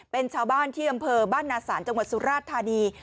เป็นชาวบ้านที่อำเภอบ้านนาศาลจังหวัดสุราชธานี